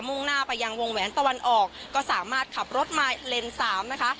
่งหน้าไปยังวงแหวนตะวันออกก็สามารถขับรถมาเลนส์สามนะคะ